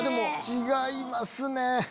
違いますね。